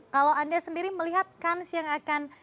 kalau anda sendiri melihat kans yang akan